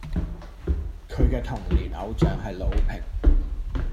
佢既童年偶像係魯平